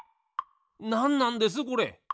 なんなんですこれ？